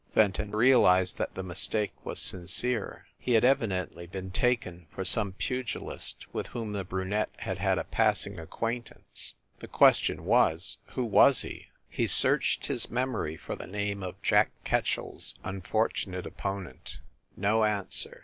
Fenton realized that the mistake was sincere. He had evidently been taken for some pugilist with whom the brunette had had a passing acquaintance. The question was, who was he? He searched his memory for the name of Jack Ketchell s unfor tunate opponent. No answer.